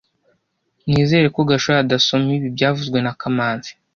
Nizere ko Gashuhe adasoma ibi byavuzwe na kamanzi